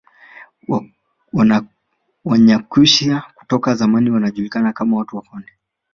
Wanyakyusa toka zamani walijulikana kama watu wa Konde